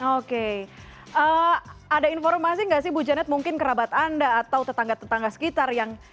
oke ada informasi nggak sih bu janet mungkin kerabat anda atau tetangga tetangga sekitar yang